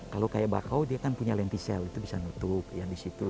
kalau kayak bakau dia kan punya lenticel itu bisa menutup yang di situ